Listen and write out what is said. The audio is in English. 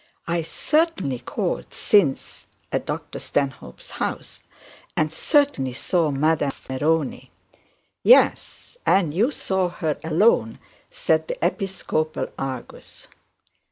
'I certainly called since at Dr Stanhope's house, and certainly saw Madame Neroni.' 'Yes, and you saw her alone,' said the episcopal Argus.